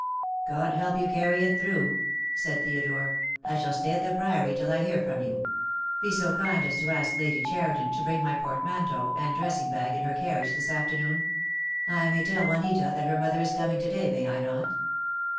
"God help you to carry it through," said Theodore. "I shall stay at the Priory till I hear from you. Be so kind as to ask Lady Cheriton to bring my portmanteau and dressing bag in her carriage this afternoon. I may THE DAY WILL COME. 201 tell Juanita that her mother is coming to day, may I not?"